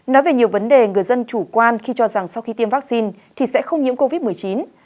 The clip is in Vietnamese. nói về nhiều vấn đề người dân chủ quan khi cho rằng sau khi tiêm vaccine thì sẽ không nhiễm covid một mươi chín